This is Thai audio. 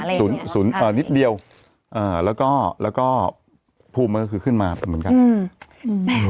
แล้วก็ฉีดไป๐นิดเดียวแล้วก็พล์มมือคือขึ้นมาเหมือนกัน